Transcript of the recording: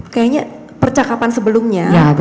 kayaknya percakapan sebelumnya